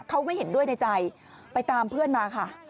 เขาไม่เห็นด้วยในใจไปตามเพื่อนมาค่ะ